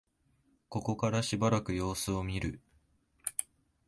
ここからしばらく様子を見る